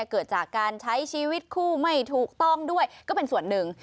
เกิดจากการใช้ชีวิตคู่ไม่ถูกต้องด้วยก็เป็นส่วนหนึ่ง